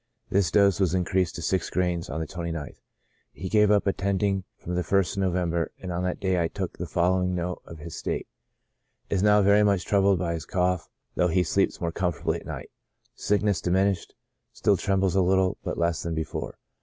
This dose was in creased to six grains on the 29th. He gave up attending from the ist of November, and on that day I took the fol lowing note of his state :" Is now very much troubled by his cough, though he sleeps more comfortably at night. Sick ness diminished ; still trembles a little, but less than before.